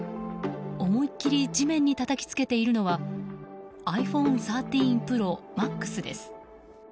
思いっきり地面にたたきつけているのはｉＰｈｏｎｅ１３ＰｒｏＭａｘです。